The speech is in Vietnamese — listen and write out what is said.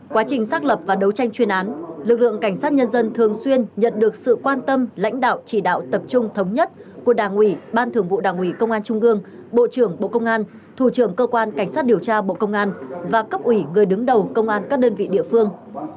quá trình xác lập và đấu tranh chuyên án lực lượng cảnh sát nhân dân thường xuyên nhận được sự quan tâm lãnh đạo chỉ đạo tập trung thống nhất của đảng ủy ban thưởng vụ đảng ủy công an trung gương bộ trưởng bộ công an thủ trưởng cơ quan cảnh sát điều tra bộ công an và cấp ủy người đứng đầu công an các đơn vị địa phương